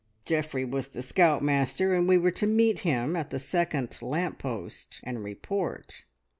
Geoffrey was the scout master, and we were to meet him at the second lamp post and report.